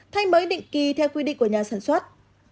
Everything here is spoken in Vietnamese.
thay mới định kỳ theo quy định của nhà sản xuất